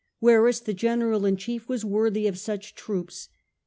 Verus, the general in chief, was worthy of such troops.